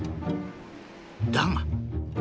だが。